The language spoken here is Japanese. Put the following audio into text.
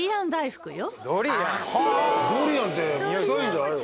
ドリアンって臭いんじゃないの？